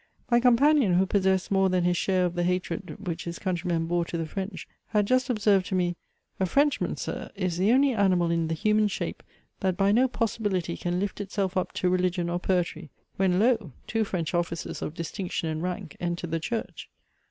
My companion who possessed more than his share of the hatred, which his countrymen bore to the French, had just observed to me, "a Frenchman, Sir! is the only animal in the human shape, that by no possibility can lift itself up to religion or poetry:" when, lo! two French officers of distinction and rank entered the church!